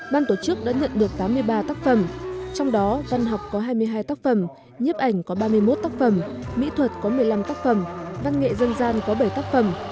ban tổ chức đã nhận được tám mươi ba tác phẩm trong đó văn học có hai mươi hai tác phẩm nhiếp ảnh có ba mươi một tác phẩm mỹ thuật có một mươi năm tác phẩm văn nghệ dân gian có bảy tác phẩm